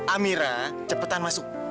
amira cepetan masuk